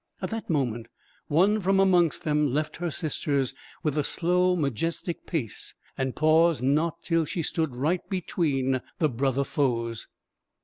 At that moment one from amongst them left her sisters with a slow majestic pace, and paused not till she stood right between the brother foes.